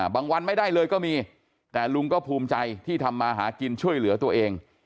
วันไม่ได้เลยก็มีแต่ลุงก็ภูมิใจที่ทำมาหากินช่วยเหลือตัวเอง